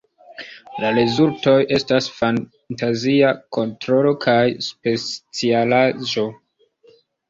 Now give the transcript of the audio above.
La rezultoj estas fantazia kontrolo kaj specialaĵo.